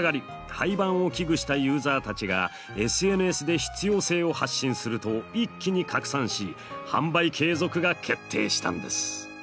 廃盤を危惧したユーザーたちがＳＮＳで必要性を発信すると一気に拡散し販売継続が決定したんです。